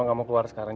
kamu masih tegasin